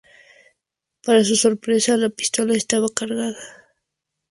Para su sorpresa, la pistola estaba cargada.